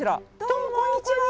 どうもこんにちは。